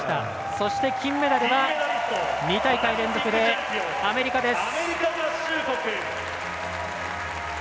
そして、金メダルは２大会連続でアメリカです。